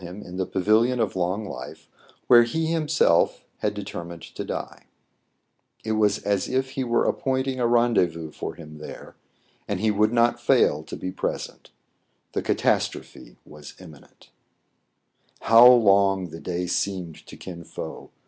him in the Pavilion of Long Life, where he him^lf had determined to die It was a» if he were appointing a rendezvous for him there, and he would not fail to be present The catai^trophe waA imminent I ÏOW long the day seemed to Kin Fo !